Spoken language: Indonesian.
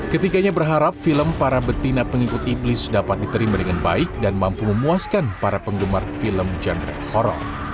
ketiganya berharap film para betina pengikut iblis dapat diterima dengan baik dan mampu memuaskan para penggemar film genre horror